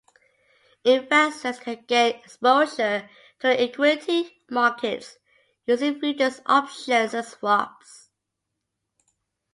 Investors can gain exposure to the equity markets using futures, options and swaps.